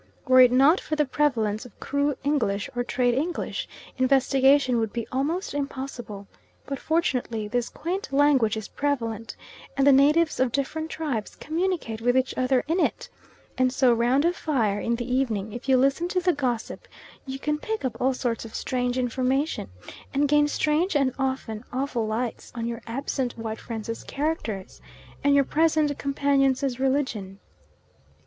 Were it not for the prevalence of Kru English or trade English, investigation would be almost impossible; but, fortunately, this quaint language is prevalent, and the natives of different tribes communicate with each other in it, and so round a fire, in the evening, if you listen to the gossip, you can pick up all sorts of strange information, and gain strange and often awful lights on your absent white friends' characters, and your present companions' religion.